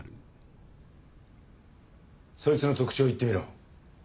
そいつの特徴言ってみろ。